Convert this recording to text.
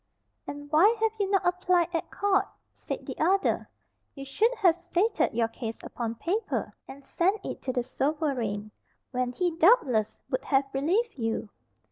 "And why have you not applied at court?" said the other: "you should have stated your case upon paper, and sent it to the sovereign, when he doubtless would have relieved you."